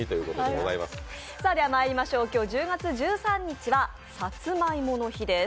今日１０月１３日はさつまいもの日です。